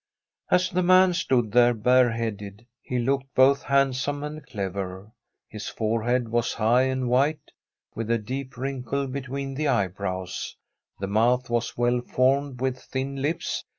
As the man stood there bare headed, he looked both handsome and clever. His fore head was high and white, with a deep wrinkle between the eyebrows; the mouth was well formed, with thin lips.